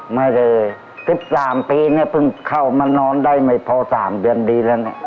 ไม่ได้๑๓ปีเนี่ยเพิ่งเข้ามานอนได้ไม่พอ๓เดือนดีแล้วเนี่ย